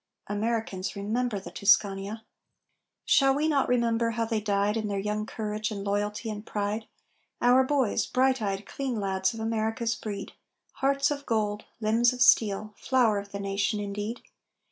_ Americans, remember the Tuscania! Shall we not remember how they died In their young courage and loyalty and pride, Our boys bright eyed, clean lads of America's breed, Hearts of gold, limbs of steel, flower of the nation indeed?